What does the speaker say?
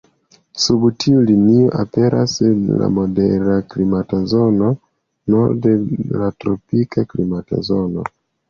Sub tiu linio aperas la modera klimata zono, norde la tropika klimata zono.